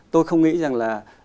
tôi không nghĩ rằng là